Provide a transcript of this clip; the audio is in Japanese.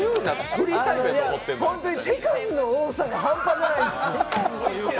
本当に手数の多さが半端ないです。